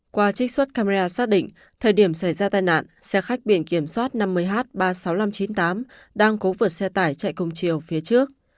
qua trích xuất camera xác định thời điểm xảy ra tai nạn xe khách biển kiểm soát năm mươi h ba mươi sáu nghìn năm trăm chín mươi tám đang cố vượt xe tải chạy cùng chiều phía trước